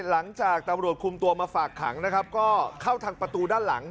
หลังจากตำรวจคุมตัวมาฝากขังนะครับก็เข้าทางประตูด้านหลัง